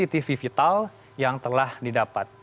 ini adalah cctv vital yang telah didapat